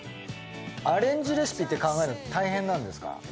アレンジレシピって考えるの大変なんですか？